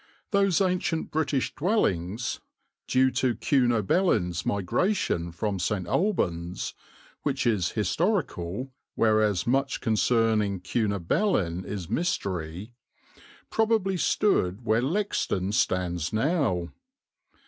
Those ancient British dwellings, due to Cunobelin's migration from St. Albans (which is historical, whereas much concerning Cunobelin is mystery), probably stood where Lexden stands now.